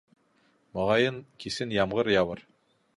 Моғайын, кисен ямғыр яуыр.